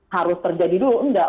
harus terjadi dulu enggak